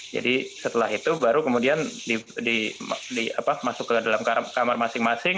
jadi setelah itu baru kemudian masuk ke dalam kamar masing masing